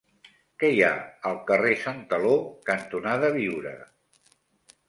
Què hi ha al carrer Santaló cantonada Biure?